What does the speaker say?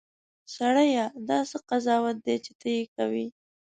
سړیه! دا څه قضاوت دی چې ته یې کوې.